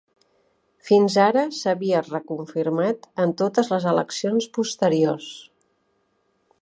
Fins ara s'havia reconfirmat en totes les eleccions posteriors.